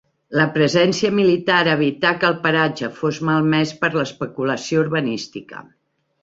La presència militar evità que el paratge fos malmès per l'especulació urbanística.